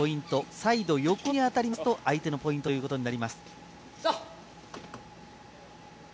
サイド、横に当たりますと相手のポイントということになります。